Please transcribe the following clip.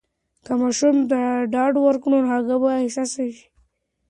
که ماشوم ته ډاډ ورکړو، نو هغه به بااحساسه سي.